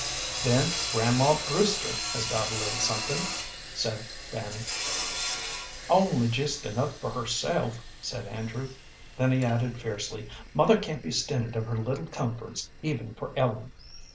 "Then Grandma Brewster has got a little something," said Fanny. "Only just enough for herself," said Andrew. Then he added, fiercely, "Mother can't be stinted of her little comforts even for Ellen."